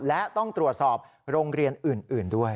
และต้องตรวจสอบโรงเรียนอื่นด้วย